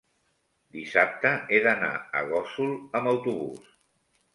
dissabte he d'anar a Gósol amb autobús.